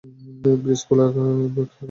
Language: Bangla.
ব্রিজ খেলা কেমন হলো?